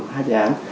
hai dự án